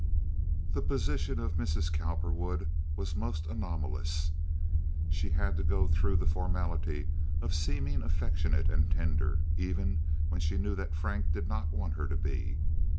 The position of Mrs. Cowperwood was most anomalous. She had to go through the formality of seeming affectionate and tender, even when she knew that Frank did not want her to be.